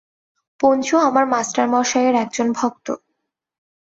পঞ্চু আমার মাস্টারমশায়ের একজন ভক্ত।